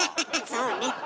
そうね。